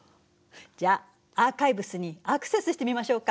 じゃあアーカイブスにアクセスしてみましょうか。